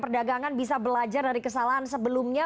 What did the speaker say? perdagangan bisa belajar dari kesalahan sebelumnya